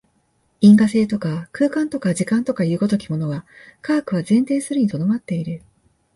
因果性とか空間とか時間とかという如きものは、科学は前提するに留まっている。